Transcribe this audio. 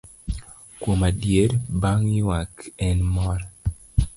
Kuom adier, bang' ywak en mor.